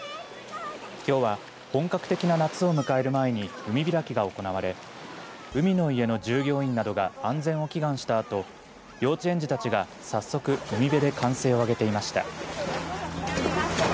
きょうは本格的な夏を迎える前に海開きが行われ海の家の従業員などが安全を祈願した後、幼稚園児たちが早速海辺で歓声をあげていました。